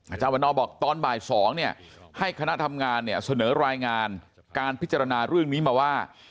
อาจารย์วันนอบอกตอนบ่าย๒เนี่ยให้คณะทำงานเนี่ยเสนอรายงานการพิจารณาเรื่องนี้มาว่า